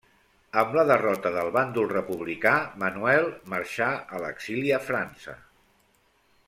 Amb la derrota del bàndol republicà, Manuel marxà a l'exili a França.